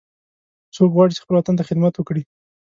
څوک غواړي چې خپل وطن ته خدمت وکړي